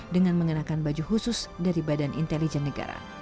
dengan mengenakan baju khusus dari badan intelijen negara